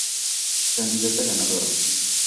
Candidata Ganadora